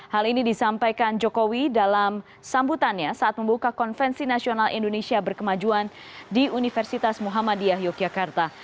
hal ini disampaikan jokowi dalam sambutannya saat membuka konvensi nasional indonesia berkemajuan di universitas muhammadiyah yogyakarta